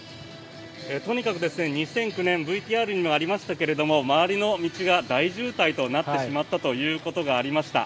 とにかく２００９年ＶＴＲにもありましたが周りの道が大渋滞となってしまったということがありました。